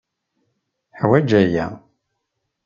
Teḥwaj aya.